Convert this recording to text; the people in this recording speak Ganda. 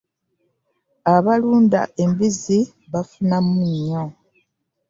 Abalunda embizzi bafunamu nnyo.